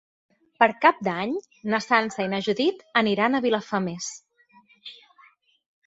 Per Cap d'Any na Sança i na Judit aniran a Vilafamés.